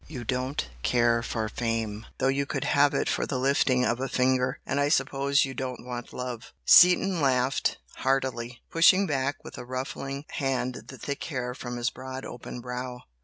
You don't care for fame, though you could have it for the lifting of a finger, and I suppose you don't want love " Seaton laughed heartily, pushing back with a ruffling hand the thick hair from his broad open brow.